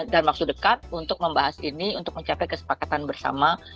dan waktu dekat untuk membahas ini untuk mencapai kesepakatan bersama